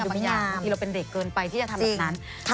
บางอย่างบางทีเราเป็นเด็กเกินไปที่จะทำแบบนั้น